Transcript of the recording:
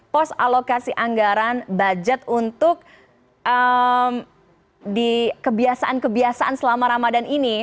pos alokasi anggaran budget untuk di kebiasaan kebiasaan selama ramadan ini